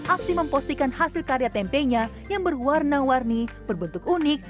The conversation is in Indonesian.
akti mempostikan hasil karya tempenya yang berwarna warni berbentuk unik